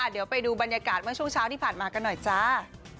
เดี๋ยวไปดูบรรยากาศเมื่อช่วงเช้าที่ผ่านมากันหน่อยจ้า